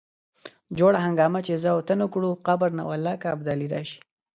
جوړه هنګامه چې زه او ته نه کړو قبر نه والله که ابدالي راشي.